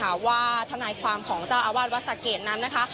และต้องเพิ่มอีกค่ะว่าทนายความของเจ้าอาวาสวัสดิ์สักเกตนั้นนะค่ะ